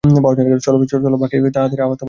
চল বাকি আহতদের বাঁচাই।